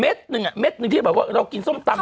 เม็ดหนึ่งอ่ะเม็ดหนึ่งที่บอกว่าเรากินส้มตำ